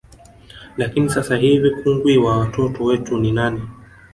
Lakini sasa hivi kungwi wa watoto wetu ni nani